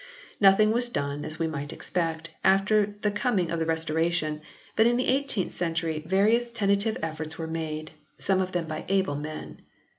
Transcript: Nothing was done, as we might expect, after the coming in of the Restoration, but in the 18th century various tentative efforts were made, some of them by able men.